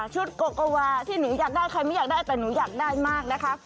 โกโกวาที่หนูอยากได้ใครไม่อยากได้แต่หนูอยากได้มากนะคะ